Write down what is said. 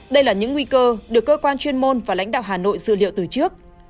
đây là những nguy cơ được cơ quan chuyên môn và lãnh đạo hà nội dự liệu từ trước